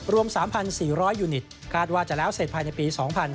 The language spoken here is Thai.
รวม๓๔๐๐ยูนิตคาดว่าจะแล้วเสร็จภายในปี๒๕๕๙